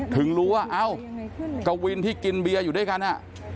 ถึงรู้ว่าเอ้ากวินที่กินเบียร์อยู่ด้วยกัน